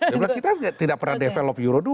dia bilang kita tidak pernah develop euro dua